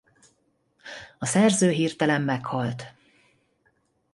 A szerző hirtelen meghalt.